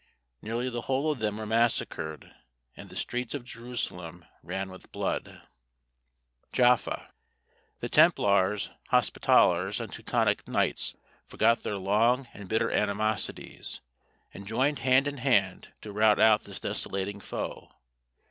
Nearly the whole of them were massacred, and the streets of Jerusalem ran with blood. [Illustration: JAFFA.] The Templars, Hospitallers, and Teutonic knights forgot their long and bitter animosities, and joined hand in hand to rout out this desolating foe.